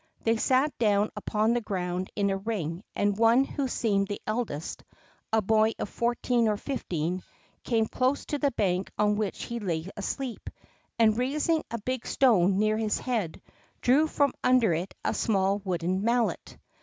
They sat down upon the ground in a ring, and one who seemed the eldest, a boy of fourteen or fifteen, came close to the bank on which he lay asleep, and, raising a big stone near his head, drew from under it a small wooden Mallet.